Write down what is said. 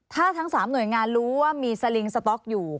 ถ้าทั้ง๓หน่วยงานรู้ว่ามีสลิงสต๊อกอยู่